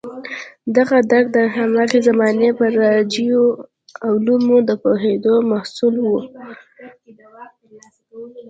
دغه درک د هماغه زمانې پر رایجو علومو د پوهېدو محصول و.